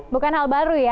bukan hal baru ya